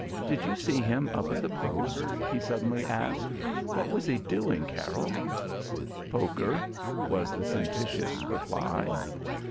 Did you see him up at the post?" he suddenly asked. "What was he doing, Carroll?" "Poker," was the sententious reply.